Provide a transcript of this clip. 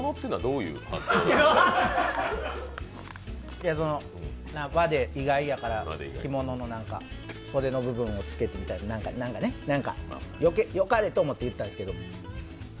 いやその、和で意外やから、袖の部分をつけてってなんかね、よかれと思って言ったんですけど。